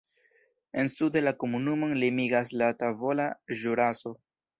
En sude la komunumon limigas la Tavola Ĵuraso.